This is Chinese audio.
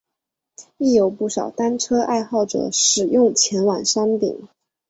亦有不少单车爱好者使用前往山顶。